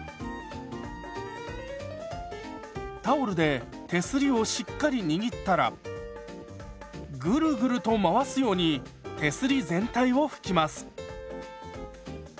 タオルで手すりをしっかり握ったらグルグルと回すように手すり全体を拭きます。